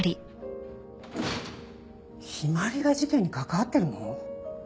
陽葵が事件に関わってるの？